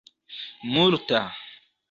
multa